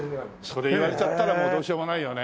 それ言われちゃったらもうどうしようもないよね。